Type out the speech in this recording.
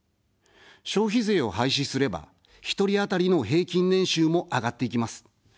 消費税を廃止すれば、１人当たりの平均年収も上がっていきます。